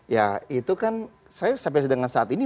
ya itu kan saya sampai dengan saat ini